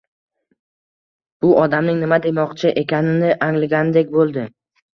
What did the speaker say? bu odamning nima demoqchi ekanini anglagandek bo‘ldi.